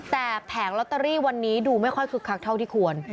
แต่แผงลอตเตอรี่วันนี้ดูไม่ค่อยคึกคักเท่าที่ควร